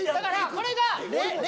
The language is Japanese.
これが例。